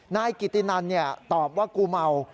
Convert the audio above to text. นายกิตินันตอบว่ากูเมา